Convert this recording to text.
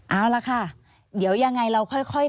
เอาล่ะค่ะเดี๋ยวยังไงเราค่อย